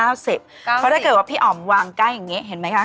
เพราะถ้าเกิดว่าพี่อ๋อมวางใกล้อย่างนี้เห็นไหมคะ